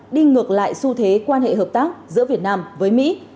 đi ngược lại xu thế quan hệ hợp tác giữa việt nam với mỹ